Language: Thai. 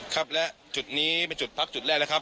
ครับและจุดนี้เป็นจุดพักจุดแรกแล้วครับ